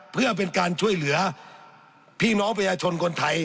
เพื่อเป็นการช่วยเหลือพี่น้องประชาชนคนไทย